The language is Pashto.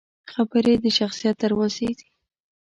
خبرې د شخصیت دروازې دي